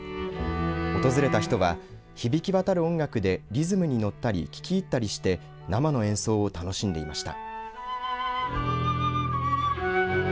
訪れた人は、響き渡る音楽でリズムに乗ったり聴き入ったりして生の演奏を楽しんでいました。